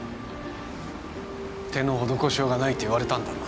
手の施しようがないって言われたんだろ